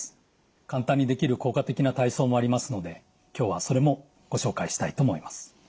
簡単にできる効果的な体操もありますので今日はそれもご紹介したいと思います。